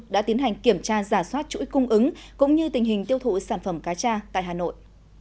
đã tiến hành kiểm tra giả soát chuỗi cung ứng cũng như tình hình tiêu thụ sản phẩm cá tra tại hà nội